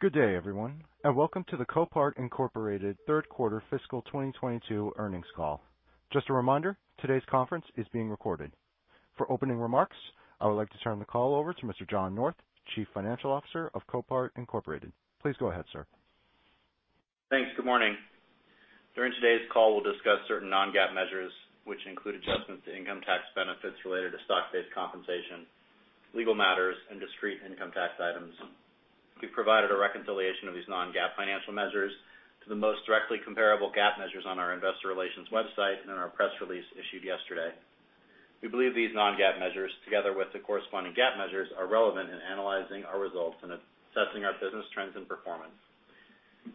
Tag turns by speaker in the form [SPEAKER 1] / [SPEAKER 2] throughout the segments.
[SPEAKER 1] Good day, everyone, and welcome to the Copart, Inc. third quarter fiscal 2022 earnings call. Just a reminder, today's conference is being recorded. For opening remarks, I would like to turn the call over to Mr. John North, Chief Financial Officer of Copart, Inc. Please go ahead, sir.
[SPEAKER 2] Thanks. Good morning. During today's call, we'll discuss certain non-GAAP measures, which include adjustments to income tax benefits related to stock-based compensation, legal matters, and discrete income tax items. We've provided a reconciliation of these non-GAAP financial measures to the most directly comparable GAAP measures on our investor relations website and in our press release issued yesterday. We believe these non-GAAP measures, together with the corresponding GAAP measures, are relevant in analyzing our results and assessing our business trends and performance.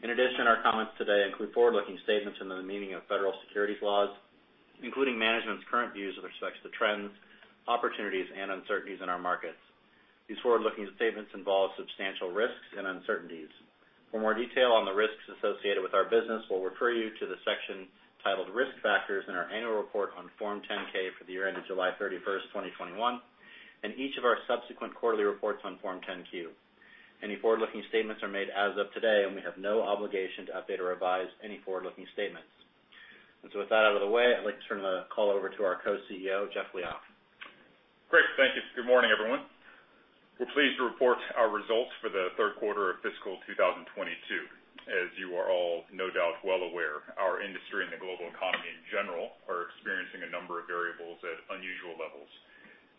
[SPEAKER 2] In addition, our comments today include forward-looking statements within the meaning of federal securities laws, including management's current views with respect to trends, opportunities, and uncertainties in our markets. These forward-looking statements involve substantial risks and uncertainties. For more detail on the risks associated with our business, we'll refer you to the section titled Risk Factors in our annual report on Form 10-K for the year ended July 31st, 2021, and each of our subsequent Quarterly reports on Form 10-Q. Any forward-looking statements are made as of today, and we have no obligation to update or revise any forward-looking statements. With that out of the way, I'd like to turn the call over to our Co-CEO, Jeff Liaw.
[SPEAKER 3] Great. Thank you. Good morning, everyone. We're pleased to report our results for the third quarter of fiscal 2022. As you are all no doubt well aware, our industry and the global economy in general are experiencing a number of variables at unusual levels.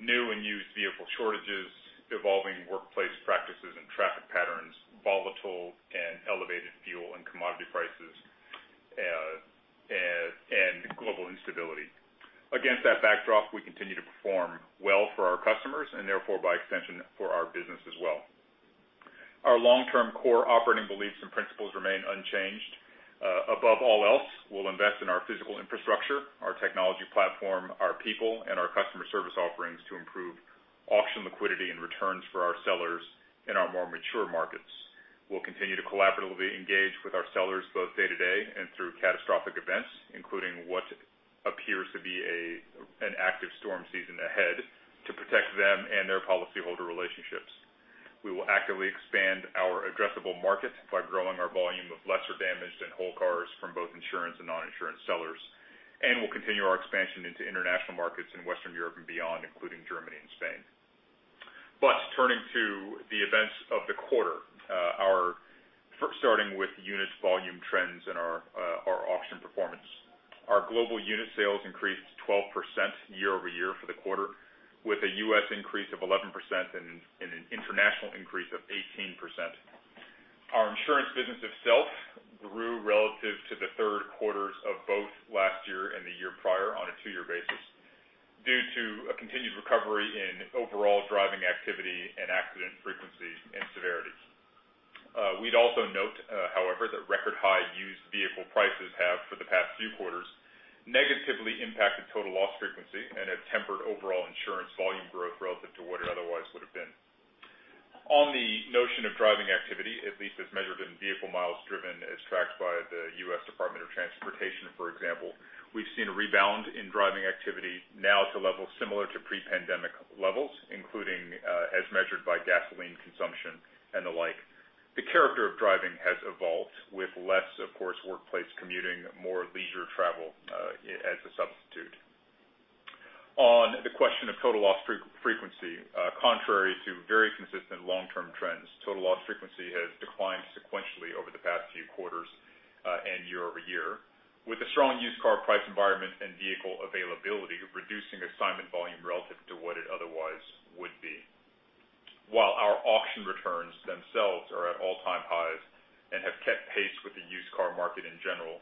[SPEAKER 3] New and used vehicle shortages, evolving workplace practices and traffic patterns, volatile and elevated fuel and commodity prices, and global instability. Against that backdrop, we continue to perform well for our customers and therefore, by extension, for our business as well. Our long-term core operating beliefs and principles remain unchanged. Above all else, we'll invest in our physical infrastructure, our technology platform, our people, and our customer service offerings to improve auction liquidity and returns for our sellers in our more mature markets. We'll continue to collaboratively engage with our sellers, both day- to- day and through catastrophic events, including what appears to be an active storm season ahead to protect them and their policy holder relationships. We will actively expand our addressable market by growing our volume of lesser damaged and whole cars from both insurance and non-insurance sellers. We'll continue our expansion into international markets in Western Europe and beyond, including Germany and Spain. Turning to the events of the quarter, starting with units volume trends and our auction performance. Our global unit sales increased 12% year-over-year for the quarter, with a U.S. increase of 11% and an international increase of 18%. Our insurance business itself grew relative to the third quarters of both last year and the year prior on a two-year basis due to a continued recovery in overall driving activity and accident frequency and severity. We'd also note, however, that record high used vehicle prices have, for the past few quarters, negatively impacted total loss frequency and have tempered overall insurance volume growth relative to what it otherwise would have been. On the notion of driving activity, at least as measured in vehicle miles driven as tracked by the U.S. Department of Transportation, for example, we've seen a rebound in driving activity now to levels similar to pre-pandemic levels, including, as measured by gasoline consumption and the like. The character of driving has evolved with less, of course, workplace commuting, more leisure travel, as a substitute. On the question of total loss frequency, contrary to very consistent long-term trends, total loss frequency has declined sequentially over the past few quarters, and year-over-year, with a strong used car price environment and vehicle availability reducing assignment volume relative to what it otherwise would be. While our auction returns themselves are at all-time highs and have kept pace with the used car market in general,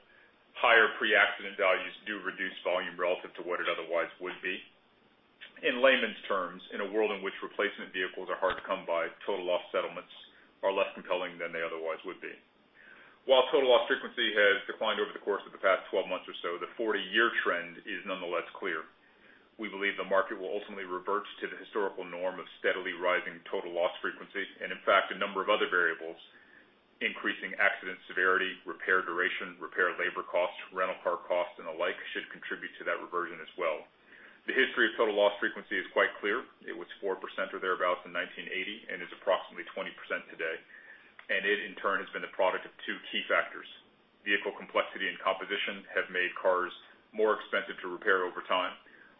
[SPEAKER 3] higher pre-accident values do reduce volume relative to what it otherwise would be. In layman's terms, in a world in which replacement vehicles are hard to come by, total loss settlements are less compelling than they otherwise would be. While total loss frequency has declined over the course of the past 12 months or so, the 40-year trend is nonetheless clear. We believe the market will ultimately revert to the historical norm of steadily rising total loss frequencies. In fact, a number of other variables, increasing accident severity, repair duration, repair labor costs, rental car costs, and the like should contribute to that reversion as well. The history of total loss frequency is quite clear. It was 4% or thereabouts in 1980 and is approximately 20% today. It, in turn, has been a product of two key factors. Vehicle complexity and composition have made cars more expensive to repair over time,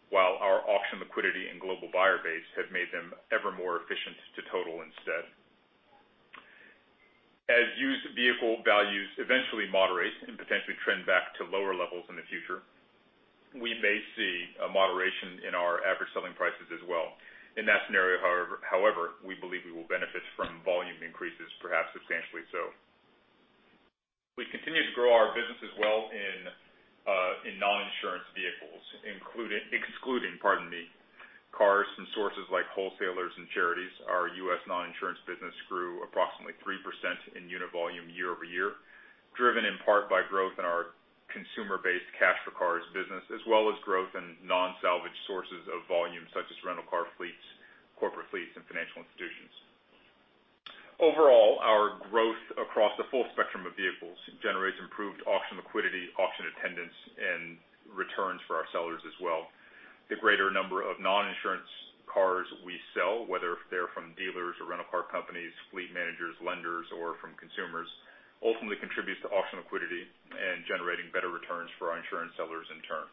[SPEAKER 3] while our auction liquidity and global buyer base have made them ever more efficient to total instead. As used vehicle values eventually moderate and potentially trend back to lower levels in the future, we may see a moderation in our average selling prices as well. In that scenario, however, we believe we will benefit from volume increases, perhaps substantially so. We continue to grow our business as well in non-insurance vehicles, excluding, pardon me, cars from sources like wholesalers and charities. Our U.S. non-insurance business grew approximately 3% in unit volume year-over-year, driven in part by growth in our consumer-based Cash for Cars business, as well as growth in non-salvage sources of volume such as rental car fleets, corporate fleets, and financial institutions. Overall, our growth across the full spectrum of vehicles generates improved auction liquidity, auction attendance, and returns for our sellers as well. The greater number of non-insurance cars we sell, whether they're from dealers or rental car companies, fleet managers, lenders, or from consumers, ultimately contributes to auction liquidity and generating better returns for our insurance sellers in turn.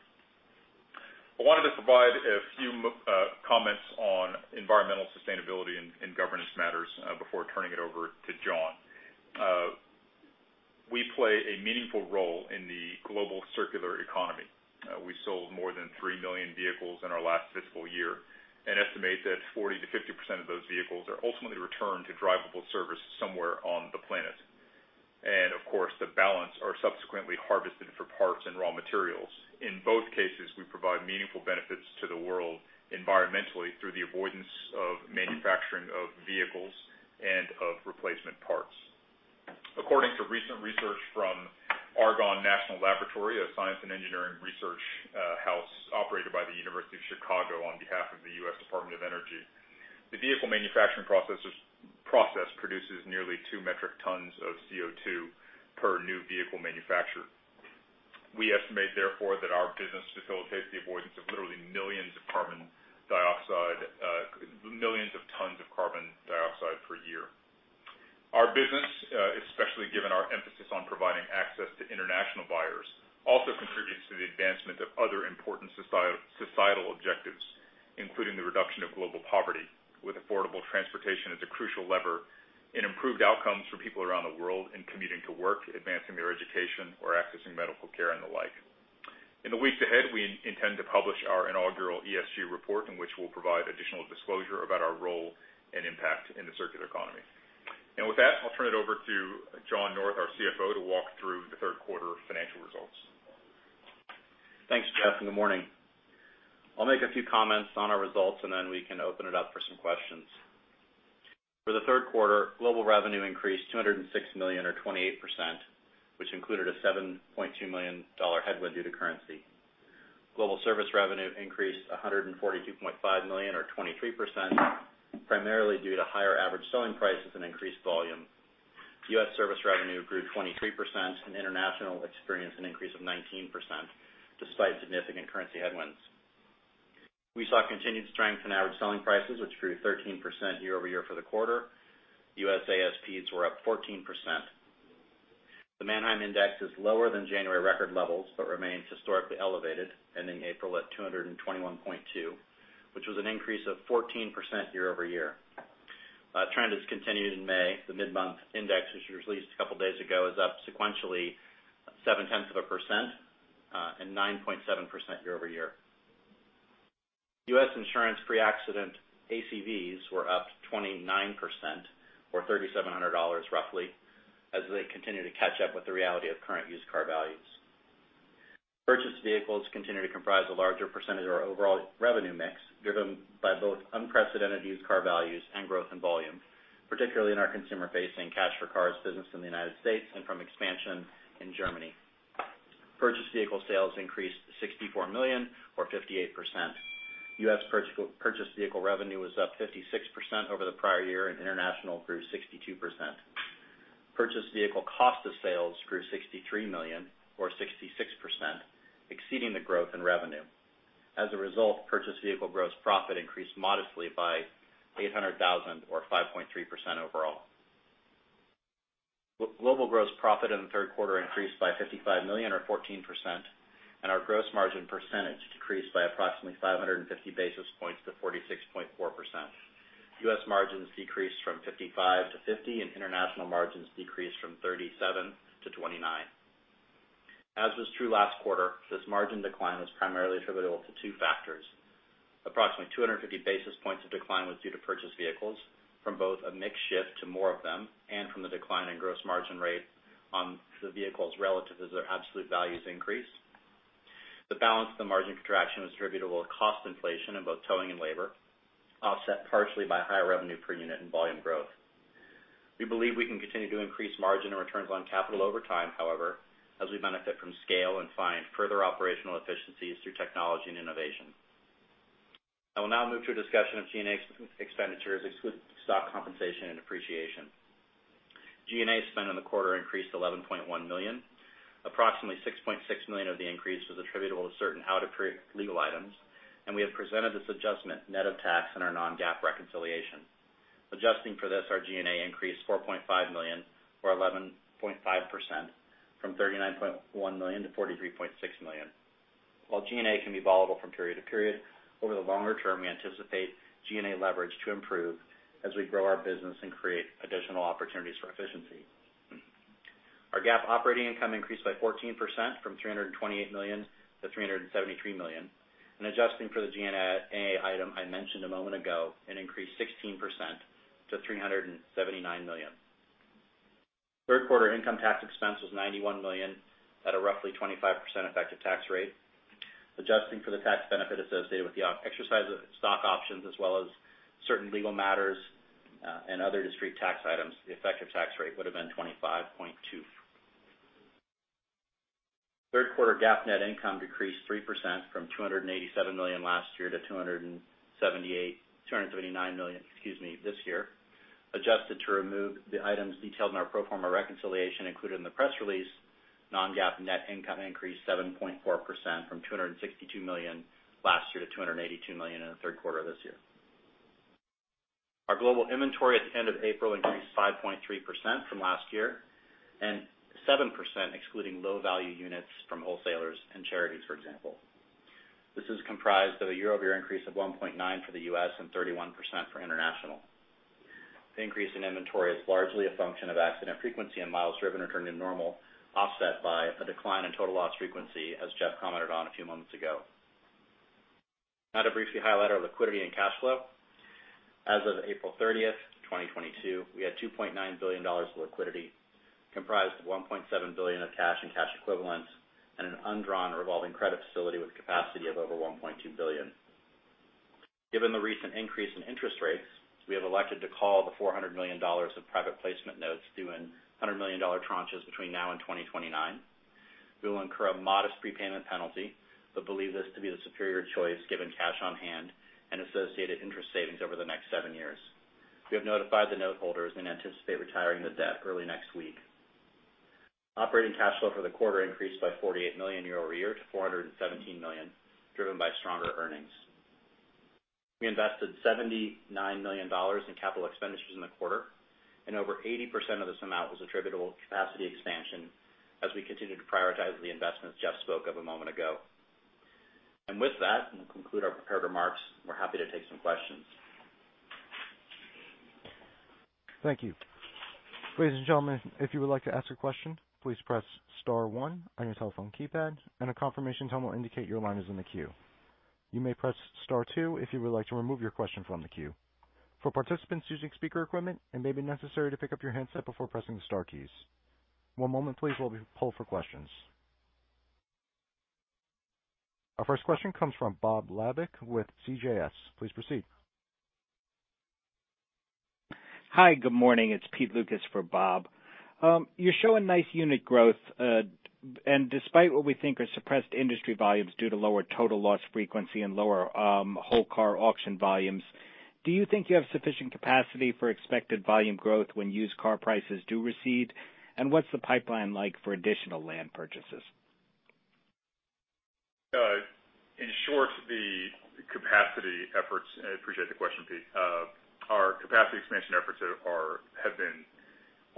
[SPEAKER 3] I wanted to provide a few comments on environmental sustainability and governance matters before turning it over to John. We play a meaningful role in the global circular economy. We sold more than 3 million vehicles in our last fiscal year and estimate that 40%-50% of those vehicles are ultimately returned to drivable service somewhere on the planet. Of course, the balance are subsequently harvested for parts and raw materials. In both cases, we provide meaningful benefits to the world environmentally through the avoidance of manufacturing of vehicles and of replacement parts. According to recent research from Argonne National Laboratory, a science and engineering research house operated by the University of Chicago on behalf of the U.S. Department of Energy, the vehicle manufacturing process produces nearly 2 metric tons of CO2 per new vehicle manufactured. We estimate, therefore, that our business facilitates the avoidance of literally millions of tons of carbon dioxide per year. Our business, especially given our emphasis on providing access to international buyers, also contributes to the advancement of other important societal objectives, including the reduction of global poverty with affordable transportation as a crucial lever in improved outcomes for people around the world in commuting to work, advancing their education, or accessing medical care and the like. In the weeks ahead, we intend to publish our inaugural ESG report, in which we'll provide additional disclosure about our role and impact in the circular economy. With that, I'll turn it over to John North, our CFO, to walk through the third quarter financial results.
[SPEAKER 2] Thanks, Jeff, and good morning. I'll make a few comments on our results, and then we can open it up for some questions. For the third quarter, global revenue increased $206 million or 28%, which included a $7.2 million headwind due to currency. Global service revenue increased $142.5 million or 23%, primarily due to higher average selling prices and increased volume. U.S. service revenue grew 23%, and international experienced an increase of 19% despite significant currency headwinds. We saw continued strength in average selling prices, which grew 13% year-over-year for the quarter. U.S. ASPs were up 14%. The Manheim Index is lower than January record levels, but remains historically elevated, ending April at 221.2, which was an increase of 14% year-over-year. The trend has continued in May. The mid-month index, which was released a couple days ago, is up sequentially 0.7% and 9.7% year-over-year. US insurance pre-accident ACVs were up 29% or $3,700 roughly, as they continue to catch up with the reality of current used car values. Purchased vehicles continue to comprise a larger % of our overall revenue mix, driven by both unprecedented used car values and growth in volume, particularly in our consumer-facing Cash for Cars business in the United States and from expansion in Germany. Purchased vehicle sales increased $64 million or 58%. U.S. purchased vehicle revenue was up 56% over the prior year, and international grew 62%. Purchased vehicle cost of sales grew $63 million or 66%, exceeding the growth in revenue. As a result, purchased vehicle gross profit increased modestly by $800,000 or 5.3% overall. Global gross profit in the third quarter increased by $55 million or 14%, and our gross margin % decreased by approximately 550 basis points to 46.4%. US margins decreased from 55% to 50%, and international margins decreased from 37% to 29%. As was true last quarter, this margin decline was primarily attributable to two factors. Approximately 250 basis points of decline was due to purchased vehicles from both a mix shift to more of them and from the decline in gross margin rate on the vehicles relative as their absolute values increase. The balance of the margin contraction was attributable to cost inflation in both towing and labor, offset partially by higher revenue per unit and volume growth. We believe we can continue to increase margin and returns on capital over time, however, as we benefit from scale and find further operational efficiencies through technology and innovation. I will now move to a discussion of G&A expenditures, exclude stock compensation and depreciation. G&A spend in the quarter increased $11.1 million. Approximately $6.6 million of the increase was attributable to certain out-of-period legal items, and we have presented this adjustment net of tax in our non-GAAP reconciliation. Adjusting for this, our G&A increased $4.5 million or 11.5% from $39.1 million - $43.6 million. While G&A can be volatile from period to period, over the longer term, we anticipate G&A leverage to improve as we grow our business and create additional opportunities for efficiency. Our GAAP operating income increased by 14% from $328 million - $373 million, and adjusting for the G&A item I mentioned a moment ago, it increased 16% to $379 million. Third quarter income tax expense was $91 million at a roughly 25% effective tax rate. Adjusting for the tax benefit associated with the exercise of stock options as well as certain legal matters, and other discrete tax items, the effective tax rate would have been 25.2%. Third quarter GAAP net income decreased 3% from $287 million last year to $279 million, excuse me, this year. Adjusted to remove the items detailed in our pro forma reconciliation included in the press release. Non-GAAP net income increased 7.4% from $262 million last year to $282 million in the third quarter of this year. Our global inventory at the end of April increased 5.3% from last year, and 7% excluding low value units from wholesalers and charities, for example. This is comprised of a year-over-year increase of 1.9% for the U.S. and 31% for international. The increase in inventory is largely a function of accident frequency and miles driven returning to normal, offset by a decline in total loss frequency, as Jeff commented on a few moments ago. Now to briefly highlight our liquidity and cash flow. As of April 30, 2022, we had $2.9 billion of liquidity, comprised of $1.7 billion of cash and cash equivalents and an undrawn revolving credit facility with capacity of over $1.2 billion. Given the recent increase in interest rates, we have elected to call the $400 million of private placement notes due in $100 million tranches between now and 2029. We will incur a modest prepayment penalty, but believe this to be the superior choice given cash on hand and associated interest savings over the next seven years. We have notified the note holders and anticipate retiring the debt early next week. Operating cash flow for the quarter increased by $48 million year-over-year to $417 million, driven by stronger earnings. We invested $79 million in capital expenditures in the quarter, and over 80% of this amount was attributable to capacity expansion as we continue to prioritize the investments Jeff spoke of a moment ago. With that, we'll conclude our prepared remarks. We're happy to take some questions.
[SPEAKER 1] Thank you. Ladies and gentlemen, One moment please while we pull for questions. Our first question comes from Bob Labick with CJS. Please proceed.
[SPEAKER 4] Hi. Good morning. It's Peter Lukas for Bob Labick. You show a nice unit growth, and despite what we think are suppressed industry volumes due to lower total loss frequency and lower wholesale car auction volumes, do you think you have sufficient capacity for expected volume growth when used car prices do recede? What's the pipeline like for additional land purchases?
[SPEAKER 3] In short, the capacity efforts. I appreciate the question, Pete. Our capacity expansion efforts have been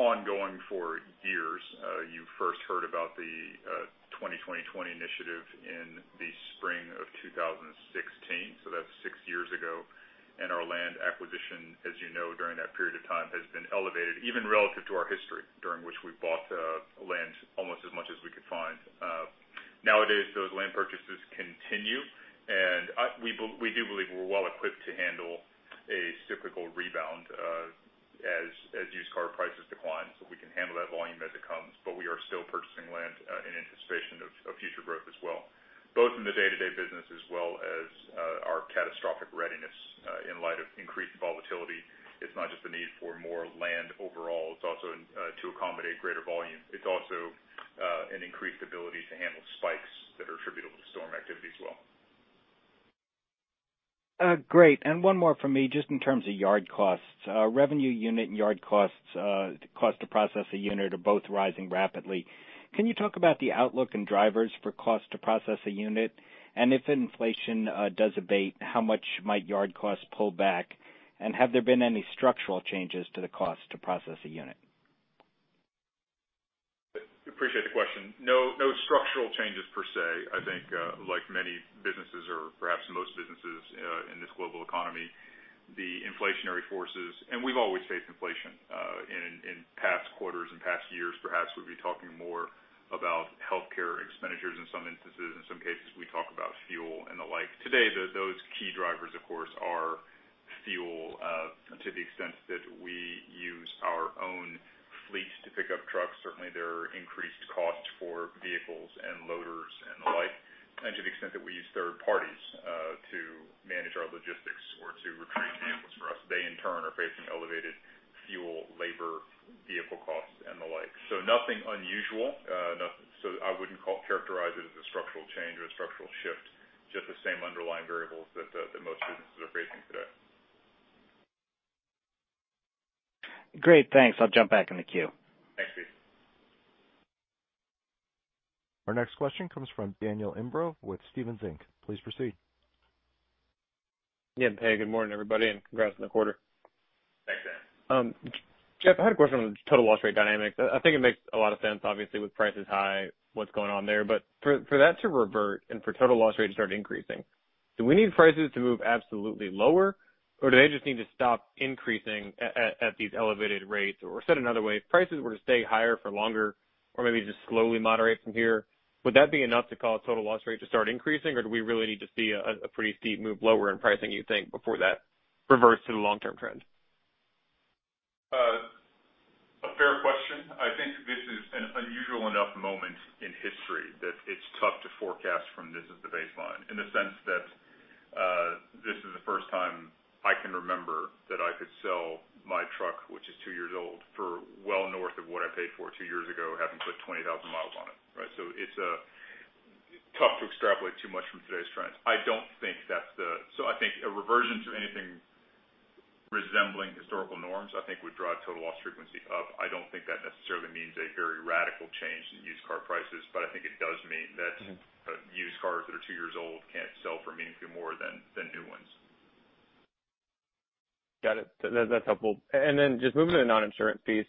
[SPEAKER 3] ongoing for years. You first heard about the 20-20-20 land acquisition project in the spring of 2016, so that's six years ago. Our land acquisition, as you know, during that period of time, has been elevated, even relative to our history, during which we bought land almost as much as we could find. Nowadays, those land purchases continue, and we do believe we're well equipped to handle a cyclical rebound, as used car prices decline, so we can handle that volume as it comes. We are still purchasing land in anticipation of future growth as well, both in the day-to-day business as well as our catastrophic readiness in light of increased volatility. It's not just the need for more land overall, it's also to accommodate greater volume. It's also an increased ability to handle spikes that are attributable to storm activity as well.
[SPEAKER 4] Great. One more from me, just in terms of yard costs. Revenue unit and yard costs, cost to process a unit are both rising rapidly. Can you talk about the outlook and drivers for cost to process a unit? If inflation does abate, how much might yard costs pull back? Have there been any structural changes to the cost to process a unit?
[SPEAKER 3] Appreciate the question. No, no structural changes per se. I think, like many businesses, or perhaps most businesses, in this global economy, the inflationary forces. We've always faced inflation. In past quarters and past years, perhaps we'd be talking more about healthcare expenditures in some instances. In some cases, we talk about fuel and the like. Today, those key drivers, of course, are fuel, to the extent that we use our own fleet to pick up trucks. Certainly, there are increased costs for vehicles and loaders and the like. To the extent that we use third parties, to manage our logistics or to retrieve vehicles for us, they in turn are facing elevated fuel, labor, vehicle costs and the like. Nothing unusual. Nothing. I wouldn't characterize it as a structural change or a structural shift, just the same underlying variables that most businesses are facing today.
[SPEAKER 4] Great. Thanks. I'll jump back in the queue.
[SPEAKER 3] Thanks, Pete.
[SPEAKER 1] Our next question comes from Daniel Imbro with Stephens Inc. Please proceed.
[SPEAKER 5] Yeah. Hey, good morning, everybody, and congrats on the quarter.
[SPEAKER 3] Thanks, Dan.
[SPEAKER 5] Jeff, I had a question on total loss rate dynamics. I think it makes a lot of sense, obviously with prices high, what's going on there. For that to revert and for total loss rate to start increasing, do we need prices to move absolutely lower, or do they just need to stop increasing at these elevated rates? Said another way, if prices were to stay higher for longer or maybe just slowly moderate from here, would that be enough to cause total loss rate to start increasing, or do we really need to see a pretty steep move lower in pricing, you think, before that reverts to the long term trend?
[SPEAKER 3] A fair question. I think this is an unusual enough moment in history that it's tough to forecast from this as the baseline in the sense that this is the first time I can remember that I could sell my truck for well north of what I paid for two years ago, having put 20,000 miles on it, right? It's tough to extrapolate too much from today's trends. I don't think that's. I think a reversion to anything resembling historical norms would drive total loss frequency up. I don't think that necessarily means a very radical change in used car prices, but I think it does mean that used cars that are two- years old can't sell for meaningfully more than new ones.
[SPEAKER 5] Got it. That's helpful. Just moving to the non-insurance piece.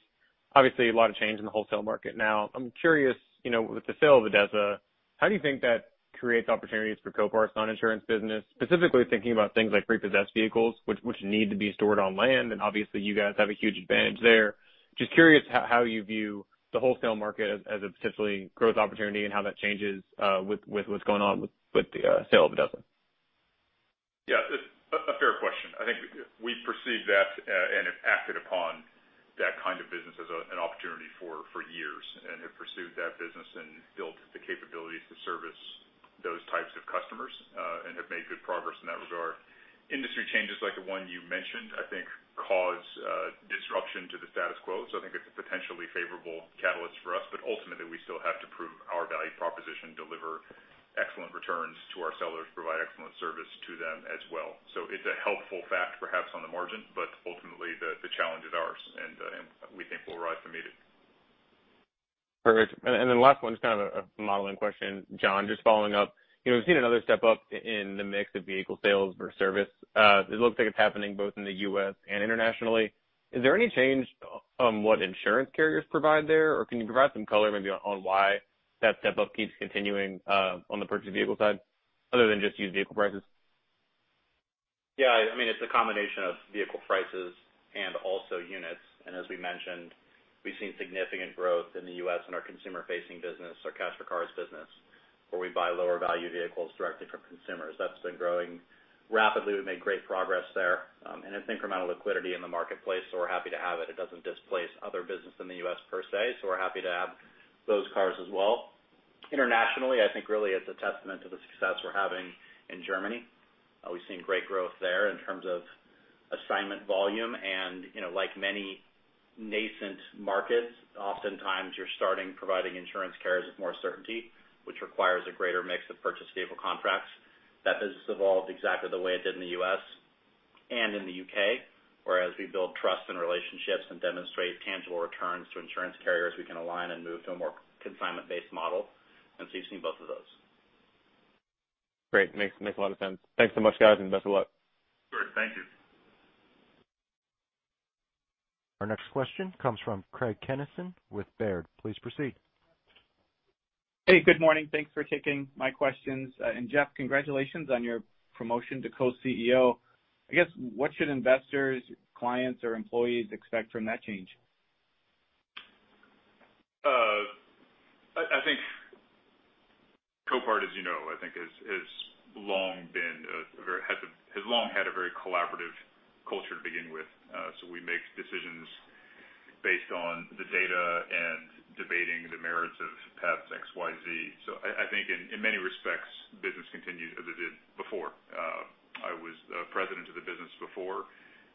[SPEAKER 5] Obviously, a lot of change in the wholesale market now. I'm curious, you know, with the sale of ADESA, how do you think that creates opportunities for Copart's non-insurance business? Specifically thinking about things like repossessed vehicles, which need to be stored on land, and obviously you guys have a huge advantage there. Just curious how you view the wholesale market as a potentially growth opportunity and how that changes with what's going on with the sale of ADESA.
[SPEAKER 3] Yeah, it's a fair question. I think we perceive that and have acted upon that kind of business as an opportunity for years and have pursued that business and built the capabilities to service those types of customers and have made good progress in that regard. Industry changes like the one you mentioned, I think cause disruption to the status quo. I think it's a potentially favorable catalyst for us, but ultimately we still have to prove our value proposition, deliver excellent returns to our sellers, provide excellent service to them as well. It's a helpful fact, perhaps on the margin, but ultimately the challenge is ours and we think we're up to meet it.
[SPEAKER 5] Perfect. Last one, just kind of a modeling question. John, just following up. You know, we've seen another step up in the mix of vehicle sales versus service. It looks like it's happening both in the U.S. and internationally. Is there any change on what insurance carriers provide there? Or can you provide some color maybe on why that step up keeps continuing, on the purchased vehicle side, other than just used vehicle prices?
[SPEAKER 2] Yeah, I mean, it's a combination of vehicle prices and also units. As we mentioned, we've seen significant growth in the U.S. in our consumer-facing business, our Cash for Cars business, where we buy lower value vehicles directly from consumers. That's been growing rapidly. We've made great progress there. It's incremental liquidity in the marketplace, so we're happy to have it. It doesn't displace other business in the U.S. per se, so we're happy to have those cars as well. Internationally, I think really it's a testament to the success we're having in Germany. We've seen great growth there in terms of assignment volume. You know, like many nascent markets, oftentimes you're starting by providing insurance carriers with more certainty, which requires a greater mix of purchased vehicle contracts. That business evolved exactly the way it did in the U.S. and in the U.K., whereas we build trust and relationships and demonstrate tangible returns to insurance carriers we can align and move to a more consignment-based model. You've seen both of those.
[SPEAKER 5] Great. Makes a lot of sense. Thanks so much, guys, and best of luck.
[SPEAKER 3] Great. Thank you.
[SPEAKER 1] Our next question comes from Craig Kennison with Baird. Please proceed.
[SPEAKER 6] Hey, good morning. Thanks for taking my questions. Jeff, congratulations on your promotion to co-CEO. I guess what should investors, clients, or employees expect from that change?
[SPEAKER 3] I think Copart, as you know, has long had a very collaborative culture to begin with. We make decisions based on the data and debating the merits of paths X, Y, Z. I think in many respects, business continues as it did before. I was the president of the business before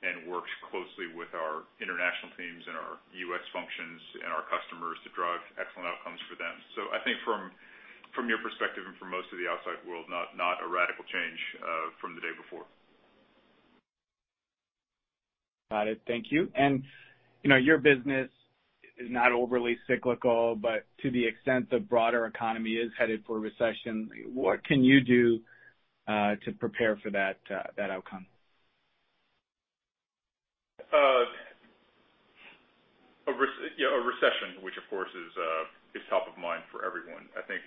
[SPEAKER 3] and worked closely with our international teams and our U.S. functions and our customers to drive excellent outcomes for them. I think from your perspective and for most of the outside world, not a radical change from the day before.
[SPEAKER 6] Got it. Thank you. You know, your business is not overly cyclical, but to the extent the broader economy is headed for a recession, what can you do to prepare for that outcome?
[SPEAKER 3] A recession, which of course is top of mind for everyone. I think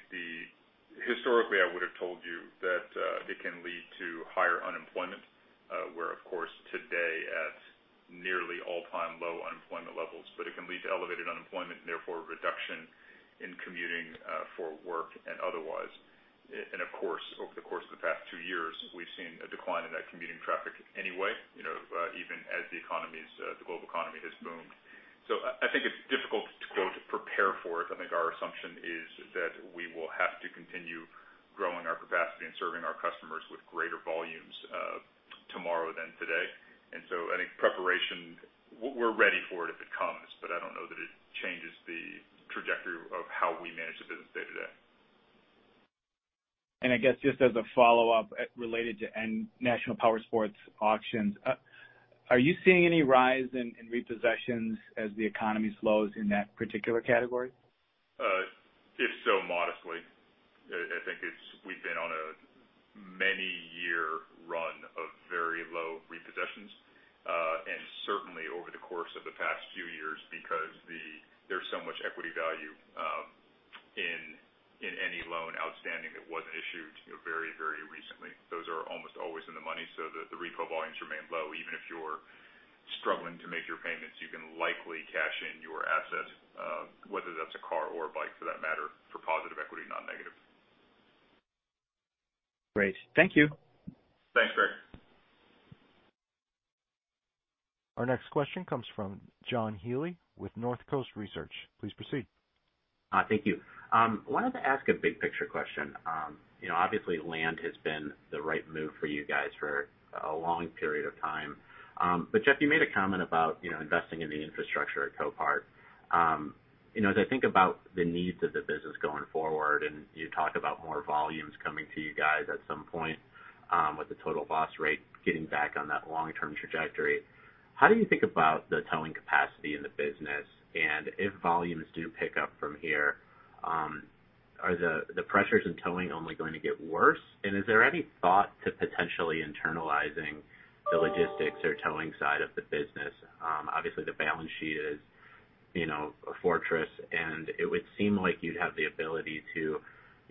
[SPEAKER 3] historically, I would have told you that it can lead to higher unemployment, while of course today at nearly all-time low unemployment levels. It can lead to elevated unemployment and therefore reduction in commuting for work and otherwise. Of course, over the course of the past two years, we've seen a decline in that commuting traffic anyway, you know, even as the economy, the global economy has boomed. I think it's difficult to quite prepare for it. I think our assumption is that we will have to continue growing our capacity and serving our customers with greater volumes tomorrow than today. Any preparation, we're ready for it if it comes, but I don't know that it changes the trajectory of how we manage the business day to day.
[SPEAKER 6] I guess just as a follow-up related to National Powersport Auctions. Are you seeing any rise in repossessions as the economy slows in that particular category?
[SPEAKER 3] If so, modestly. I think we've been on a many year run of very low repossessions. Certainly over the course of the past few years because there's so much equity value in any loan outstanding that wasn't issued, you know, very, very recently. Those are almost always in the money so the repo volumes remain low. Even if you're struggling to make your payments, you can likely cash in your asset, whether that's a car or a bike for that matter, for positive equity, not negative.
[SPEAKER 6] Great. Thank you.
[SPEAKER 3] Thanks, Craig.
[SPEAKER 1] Our next question comes from John Healy with Northcoast Research. Please proceed.
[SPEAKER 7] Thank you. Wanted to ask a big picture question. You know, obviously land has been the right move for you guys for a long period of time. Jeff, you made a comment about, you know, investing in the infrastructure at Copart. You know, as I think about the needs of the business going forward, and you talk about more volumes coming to you guys at some point, with the total loss rate getting back on that long-term trajectory, how do you think about the towing capacity in the business? And if volumes do pick up from here, are the pressures in towing only going to get worse? And is there any thought to potentially internalizing the logistics or towing side of the business? Obviously the balance sheet is, you know, a fortress, and it would seem like you'd have the ability to,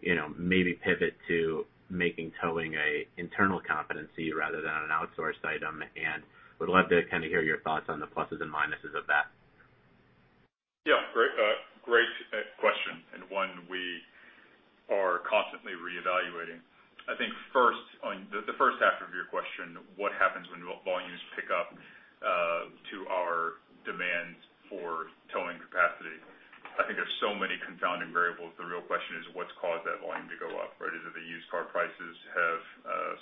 [SPEAKER 7] you know, maybe pivot to making towing an internal competency rather than an outsourced item. Would love to kind of hear your thoughts on the pluses and minuses of that.
[SPEAKER 3] Yeah. Great, great question, and one we are constantly reevaluating. I think first on the first 1/2 of your question, what happens when volumes pick up to our demands for towing capacity? I think there's so many confounding variables. The real question is what's caused that volume to go up, right? Is it the used car prices have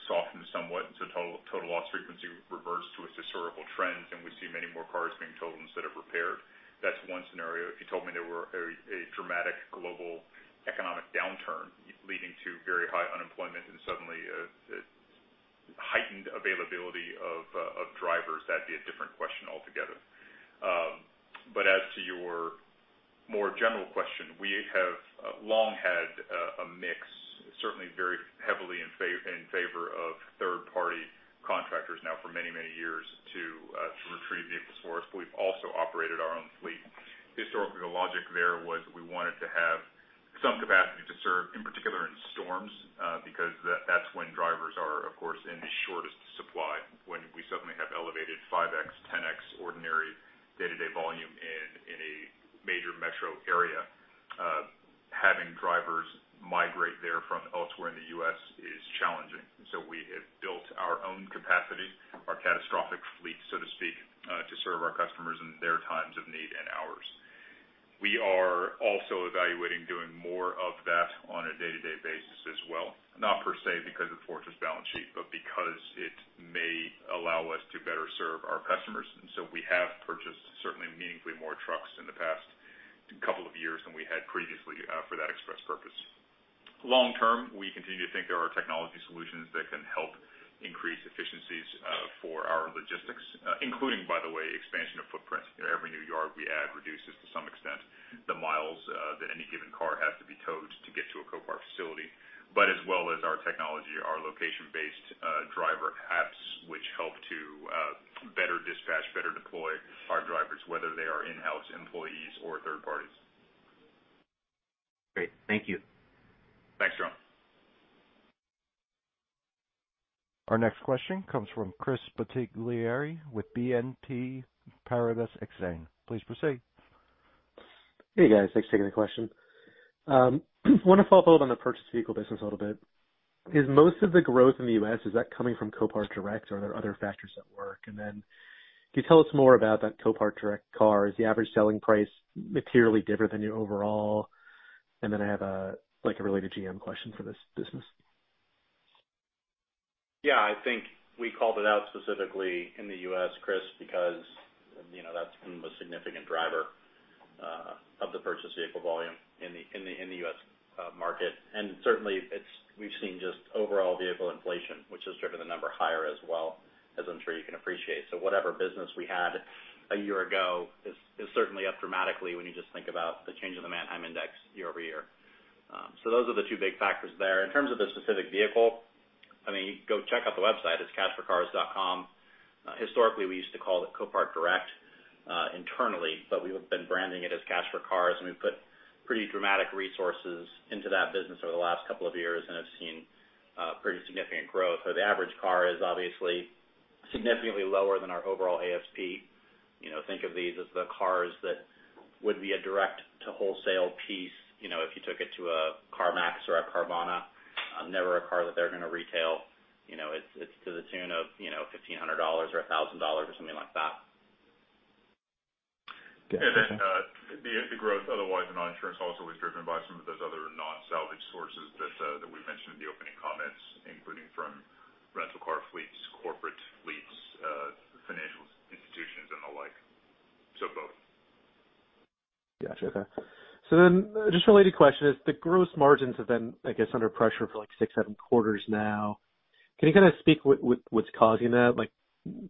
[SPEAKER 3] softened somewhat, so total loss frequency reverts to its historical trends, and we see many more cars being towed instead of repaired. That's one scenario. If you told me there were a dramatic global economic downturn leading to very high unemployment and suddenly a heightened availability of drivers, that'd be a different question altogether. As to your more general question, we have long had a mix, certainly very heavily in favor of third-party contractors now for many, many years to retrieve vehicles for us, but we've also operated our own fleet. Historically, the logic there was we wanted to have some capacity to serve, in particular in storms, because that's when drivers are, of course, in the shortest supply. When we suddenly have elevated 5x, 10x ordinary day-to-day volume in a major metro area, having drivers migrate there from elsewhere in the U.S. is challenging. We have built our own capacity, our catastrophic fleet, so to speak, to serve our customers in their times of need and ours. We are also evaluating doing more of that on a day-to-day basis as well, not per se because of fortress balance sheet, but because it may allow us to better serve our customers. We have purchased certainly meaningfully more trucks in the past couple of years than we had previously, for that express purpose. Long term, we continue to think there are technology solutions that can help increase efficiencies, for our logistics, including, by the way, expansion of footprint. You know, every new yard we add reduces to some extent the miles, that any given car has to be towed to get to a Copart facility. As well as our technology, our location-based, driver apps, which help to better dispatch, better deploy our drivers, whether they are in-house employees or third parties.
[SPEAKER 7] Great. Thank you.
[SPEAKER 3] Thanks, John.
[SPEAKER 1] Our next question comes from Chris Bottiglieri with BNP Paribas Exane. Please proceed.
[SPEAKER 8] Hey, guys. Thanks for taking the question. Wanna follow up on the purchased vehicle business a little bit. Is most of the growth in the U.S., is that coming from Copart Direct, or are there other factors at work? And then can you tell us more about that Copart Direct car? Is the average selling price materially different than your overall? And then I have a, like, a related GM question for this business.
[SPEAKER 2] Yeah. I think we called it out specifically in the U.S., Chris, because, you know, that's been the most significant driver of the purchased vehicle volume in the U.S. market. We've seen just overall vehicle inflation, which has driven the number higher as well, as I'm sure you can appreciate. Whatever business we had a year ago is certainly up dramatically when you just think about the change in the Manheim Index year-over-year. Those are the two big factors there. In terms of the specific vehicle, I mean, go check out the website. It's cashforcars.com. Historically, we used to call it Copart Direct internally, but we have been branding it as Cash for Cars, and we've put pretty dramatic resources into that business over the last couple of years and have seen pretty significant growth. The average car is obviously significantly lower than our overall ASP. You know, think of these as the cars that would be a direct-to-wholesale piece, you know, if you took it to a CarMax or a Carvana. Never a car that they're gonna retail. You know, it's to the tune of, you know, $1,500 or $1,000 or something like that.
[SPEAKER 8] Gotcha.
[SPEAKER 3] The growth otherwise in our insurance also was driven by some of those other non-salvage sources that we mentioned in the opening comments, including from rental car fleets, corporate fleets, financial institutions, and the like. Both.
[SPEAKER 8] Gotcha. Okay. Just a related question is the gross margins have been, I guess, under pressure for like six, seven quarters now. Can you kind of speak what's causing that? Like,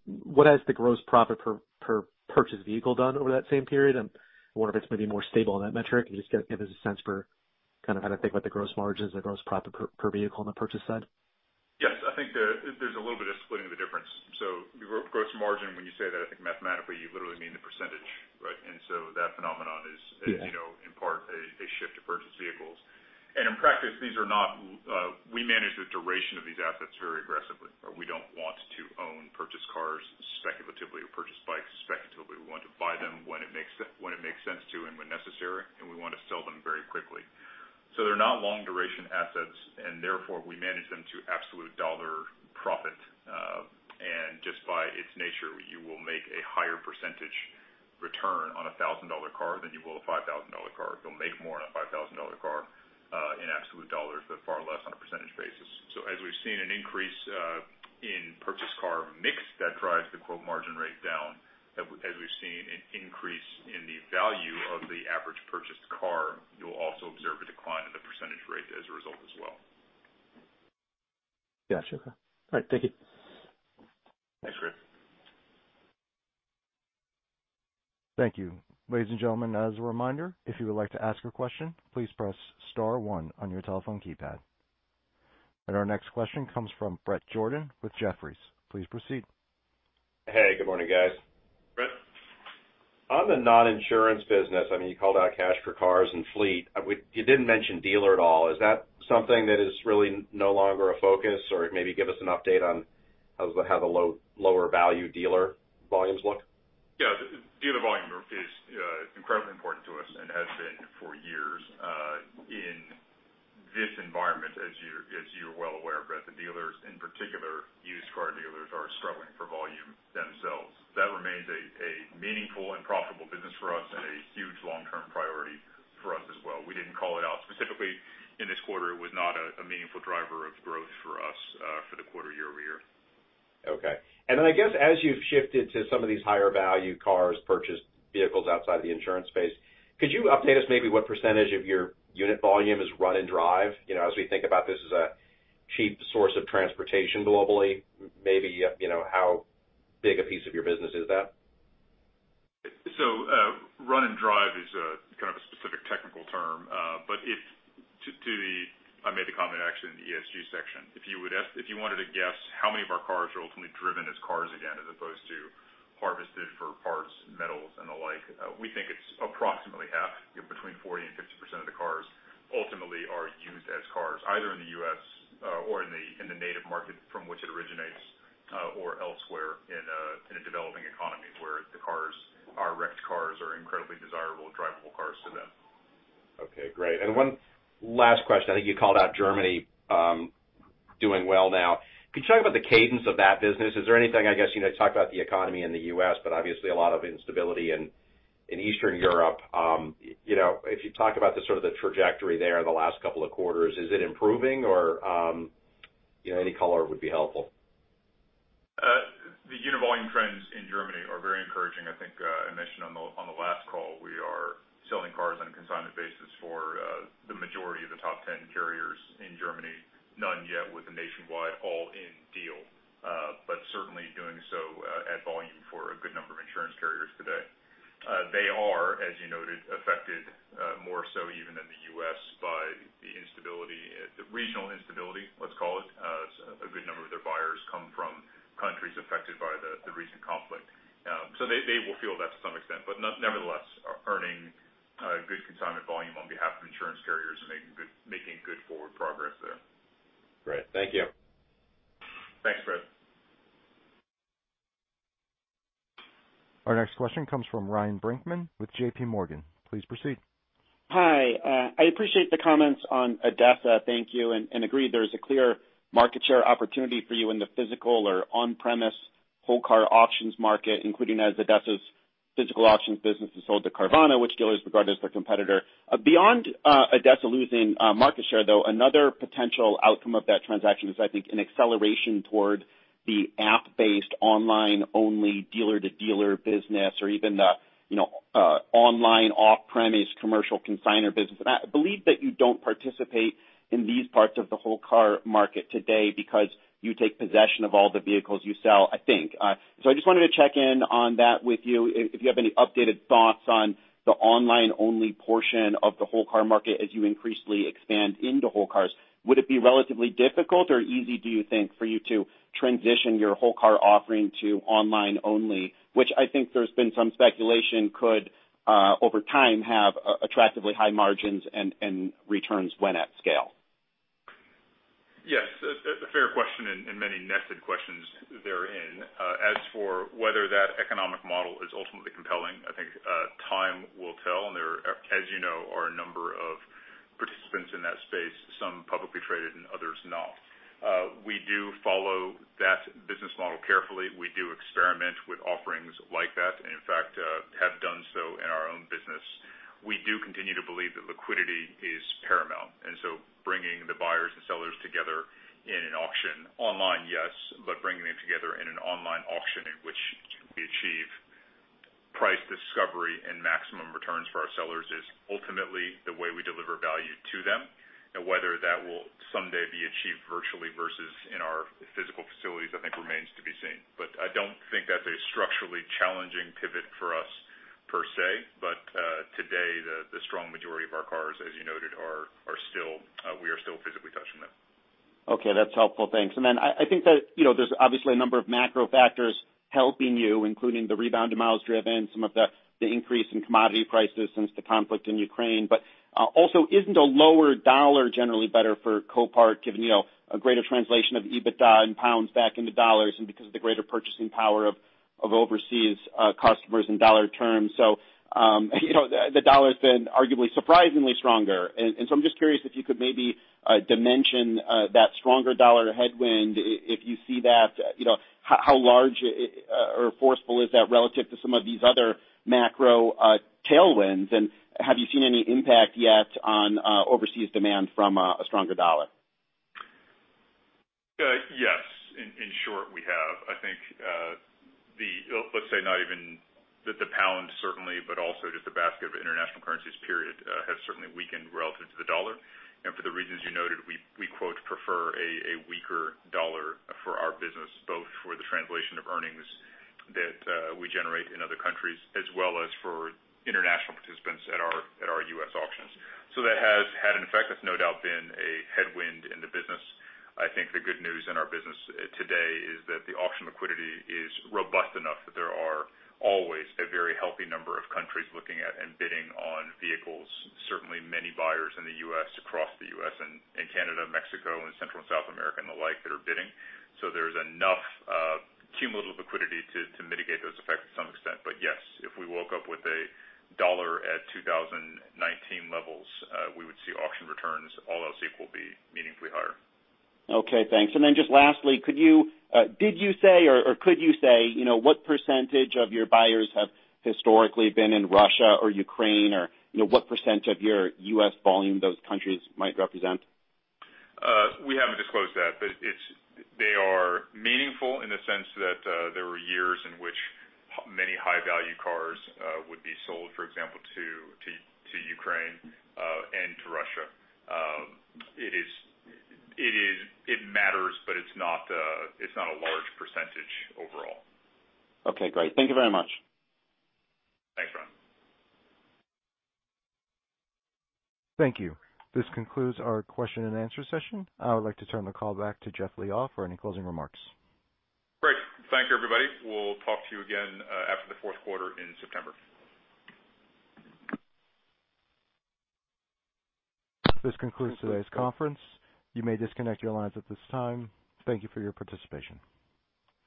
[SPEAKER 8] what has the gross profit per purchased vehicle done over that same period? I wonder if it's maybe more stable on that metric. Just give us a sense for kind of how to think about the gross margins, the gross profit per vehicle on the purchase side.
[SPEAKER 3] Yes. I think there's a little bit of splitting of the difference. Your gross margin, when you say that, I think mathematically you literally mean the %, right? That phenomenon is.
[SPEAKER 8] Yeah.
[SPEAKER 3] As you know, in part a shift to purchased vehicles. In practice, these are not. We manage the duration of these assets very aggressively. We don't want to own purchased cars speculatively or purchased bikes speculatively. We want to buy them when it makes sense to and when necessary, and we want to sell them very quickly. They're not long duration assets, and therefore we manage them to absolute dollar profit. % return on a $1,000 car than you will a $5,000 car. You'll make more on a $5,000 car, in absolute dollars, but far less on a % basis. As we've seen an increase in purchased car mix that drives the quote margin rate down, as we've seen an increase in the value of the average purchased car, you'll also observe a decline in the % rate as a result as well.
[SPEAKER 8] Gotcha. Okay. All right, thank you.
[SPEAKER 3] Thanks, Chris.
[SPEAKER 1] Thank you. Ladies and gentlemen, as a reminder, if you would like to ask a question, please press star one on your telephone keypad. Our next question comes from Bret Jordan with Jefferies. Please proceed.
[SPEAKER 9] Hey, good morning, guys.
[SPEAKER 3] Bret.
[SPEAKER 9] On the non-insurance business, I mean, you called out Cash for Cars and Fleet. You didn't mention dealer at all. Is that something that is really no longer a focus? Or maybe give us an update on how the lower value dealer volumes look.
[SPEAKER 3] Yeah. Dealer volume is incredibly important to us and has been for years. In this environment, as you're well aware, Bret, the dealers, in particular used car dealers, are struggling for volume themselves. That remains a meaningful and profitable business for us and a huge long-term priority for us as well. We didn't call it out specifically in this quarter. It was not a meaningful driver of growth for us, for the quarter, year-over-year.
[SPEAKER 9] Okay. I guess as you've shifted to some of these higher value cars, purchased vehicles outside the insurance space, could you update us maybe what % of your unit volume is run and drive? You know, as we think about this as a cheap source of transportation globally, maybe, you know, how big a piece of your business is that?
[SPEAKER 3] Run and drive is kind of a specific technical term. I made the comment actually in the ESG section. If you wanted to guess how many of our cars are ultimately driven as cars again, as opposed to harvested for parts, metals, and the like, we think it's approximately half, you know, between 40% and 50% of the cars ultimately are used as cars, either in the U.S., or in the native market from which it originates, or elsewhere in a developing economy where the cars, our wrecked cars are incredibly desirable and drivable cars to them.
[SPEAKER 9] Okay, great. One last question. I think you called out Germany doing well now. Could you talk about the cadence of that business? Is there anything, I guess, you know, talk about the economy in the U.S., but obviously a lot of instability in Eastern Europe. You know, if you talk about the sort of the trajectory there the last couple of quarters, is it improving or, you know, any color would be helpful.
[SPEAKER 3] The unit volume trends in Germany are very encouraging. I think I mentioned on the last call, we are selling cars on a consignment basis for the majority of the top ten carriers in Germany, none yet with a nationwide all-in deal, but certainly doing so at volume for a good number of insurance carriers today. They are, as you noted, affected more so even than the U.S. by the instability, the regional instability, let's call it. A good number of their buyers come from countries affected by the recent conflict. They will feel that to some extent, but nevertheless, earning good consignment volume on behalf of insurance carriers and making good forward progress there.
[SPEAKER 9] Great. Thank you.
[SPEAKER 3] Thanks, Bret.
[SPEAKER 1] Our next question comes from Ryan Brinkman with J.P. Morgan. Please proceed.
[SPEAKER 10] Hi. I appreciate the comments on ADESA. Thank you. I agree there's a clear market share opportunity for you in the physical or on-premise wholesale car auctions market, including as ADESA's physical auctions business is sold to Carvana, which dealers regard as their competitor. Beyond ADESA losing market share, though, another potential outcome of that transaction is I think an acceleration toward the app-based online only dealer-to-dealer business or even the, you know, online off-premise commercial consigner business. I believe that you don't participate in these parts of the wholesale car market today because you take possession of all the vehicles you sell, I think. I just wanted to check in on that with you if you have any updated thoughts on the online only portion of the wholesale car market as you increasingly expand into whole cars. Would it be relatively difficult or easy, do you think, for you to transition your whole car offering to online only? Which I think there's been some speculation could, over time have attractively high margins and returns when at scale.
[SPEAKER 3] Yes. A fair question and many nested questions therein. As for whether that economic model is ultimately compelling, I think time will tell, and there are, as you know, a number of participants in that space, some publicly traded and others not. We do follow that business model carefully. We do experiment with offerings like that, and in fact have done so in our own business. We do continue to believe that liquidity is paramount, and so bringing the buyers and sellers together in an auction online, yes, but bringing them together in an online auction in which we achieve price discovery and maximum returns for our sellers is ultimately the way we deliver value to them. Whether that will someday be achieved virtually versus in our physical facilities, I think remains to be seen. I don't think that's a structurally challenging pivot for us, per se. Today, the strong majority of our cars, as you noted, are still we are still physically touching them.
[SPEAKER 10] Okay, that's helpful. Thanks. Then I think that, you know, there's obviously a number of macro factors helping you, including the rebound in miles driven, the increase in commodity prices since the conflict in Ukraine. Also isn't a lower dollar generally better for Copart given, you know, a greater translation of EBITDA and pounds back into dollars and because of the greater purchasing power of overseas customers in dollar terms? You know, the dollar's been arguably surprisingly stronger. I'm just curious if you could maybe dimension that stronger dollar headwind if you see that, you know, how large or forceful is that relative to some of these other macro tailwinds. Have you seen any impact yet on overseas demand from a stronger dollar?
[SPEAKER 3] Yes. In short, I think the pound certainly, but also just the basket of international currencies, period, has certainly weakened relative to the dollar. For the reasons you noted, we quite prefer a weaker dollar for our business, both for the translation of earnings that we generate in other countries, as well as for international participants at our U.S. auctions. That has had an effect that's no doubt been a headwind in the business. I think the good news in our business today is that the auction liquidity is robust enough that there are always a very healthy number of countries looking at and bidding on vehicles. Certainly many buyers in the U.S., across the U.S. and Canada, Mexico, and Central and South America and the like that are bidding. There's enough cumulative liquidity to mitigate those effects to some extent. Yes, if we woke up with a dollar at 2019 levels, we would see auction returns all else equal be meaningfully higher.
[SPEAKER 10] Okay, thanks. Just lastly, could you say, you know, what % of your buyers have historically been in Russia or Ukraine or, you know, what percent of your U.S. volume those countries might represent?
[SPEAKER 3] We haven't disclosed that. They are meaningful in the sense that there were years in which many high value cars would be sold, for example, to Ukraine and to Russia. It is. It matters, but it's not a large % overall.
[SPEAKER 10] Okay, great. Thank you very much.
[SPEAKER 3] Thanks, Ryan.
[SPEAKER 1] Thank you. This concludes our question and answer session. I would like to turn the call back to Jeff Liaw for any closing remarks.
[SPEAKER 3] Great. Thank you, everybody. We'll talk to you again, after the fourth quarter in September.
[SPEAKER 1] This concludes today's conference. You may disconnect your lines at this time. Thank you for your participation.